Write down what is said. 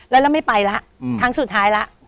แล้วไม่ไปแล้วทางสุดท้ายแล้ว